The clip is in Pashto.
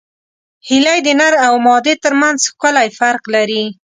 هیلۍ د نر او مادې ترمنځ ښکلی فرق لري